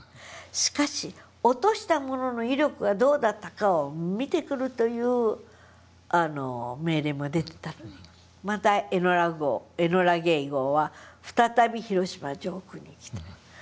しかし落としたものの威力はどうだったかを見てくるという命令も出てたのでまたエノラ・ゲイ号は再び広島上空に来た。